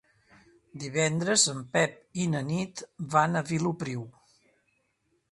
Divendres en Pep i na Nit van a Vilopriu.